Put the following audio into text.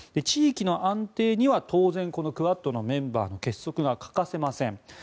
地域の安定には当然このクアッドのメンバーの結束が欠かせません。